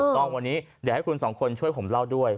ต้องวันนี้เดี๋ยวให้คุณสองคนช่วยผมเล่าด้วย